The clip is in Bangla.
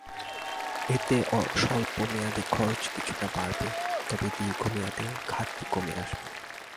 এতে স্বল্প মেয়াদে খরচ কিছুটা বাড়বে, তবে দীর্ঘ মেয়াদে ঘাটতি কমে আসবে।